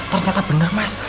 ternyata bener mas